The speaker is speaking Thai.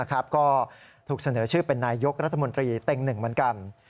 ก็ถูกเสนอชื่อเป็นนายยกรัฐมนตรีเต็งหนึ่งเหมือนกัน